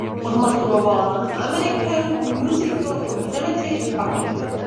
Odmaturovala na American Musical and Dramatic Academy.